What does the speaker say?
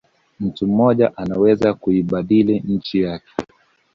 Mtu mmoja anaweza kuibadili nchi yake